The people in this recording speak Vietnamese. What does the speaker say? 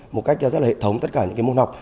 một cách rất là hệ thống tất cả những môn học